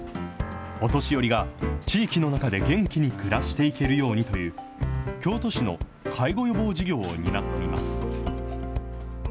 お年寄りが地域の中で元気に暮らしていけるようにという、京都市の介護予防事業を担っています。